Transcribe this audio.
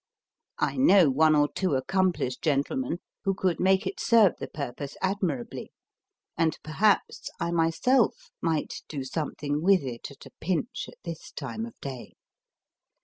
I know one or two accomplished gentlemen who could make it serve the purpose ad mirably, and, perhaps, I myself might do something with it at a pinch at this time of day.